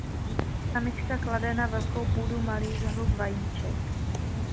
Samička klade na vlhkou půdu malý shluk vajíček.